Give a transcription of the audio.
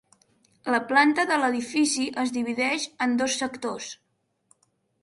La planta de l'edifici es divideix en dos sectors.